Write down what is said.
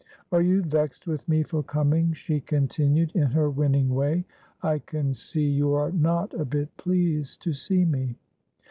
Are you vexed with me for coming?" she continued, in her winning way; "I can see you are not a bit pleased to see me."